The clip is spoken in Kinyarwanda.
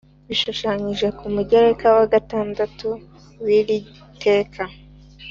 Bishushanyije ku mugereka wa gatandatu w'iri teka